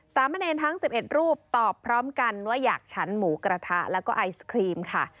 สามเณรทั้ง๑๑รูปตอบพร้อมกันว่าอยากฉันหมูกระทะแล้วก็ไอศครีมค่ะ